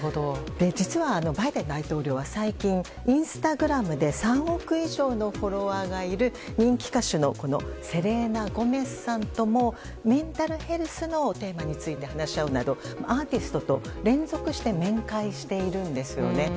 実はバイデン大統領は最近、インスタグラムで３億以上のフォロワーがいる人気歌手のセレーナ・ゴメスさんともメンタルヘルスのテーマについて話し合うなどアーティストと連続して面会しているんですよね。